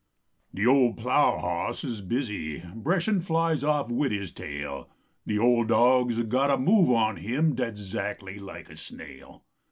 RAIN De ole plow boss is busy Breshin flies off wid his tail, De ole dog s got a move on him Dat s zackly like a snail.